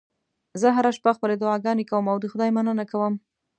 زه هره شپه خپلې دعاګانې کوم او د خدای مننه کوم